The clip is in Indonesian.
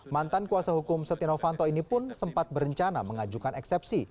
mantan kuasa hukum setia novanto ini pun sempat berencana mengajukan eksepsi